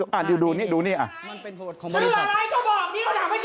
ชื่ออะไรก็บอกที่เขาถามว่าชื่ออะไร